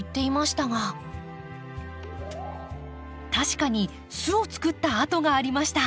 確かに巣を作った跡がありました。